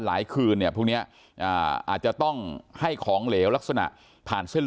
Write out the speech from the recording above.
หลายคืนเนี่ยพรุ่งนี้อาจจะต้องให้ของเหลวลักษณะผ่านเส้น